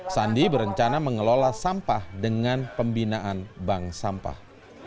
sandi berencana mengelola sampah dengan pembinaan bank sampah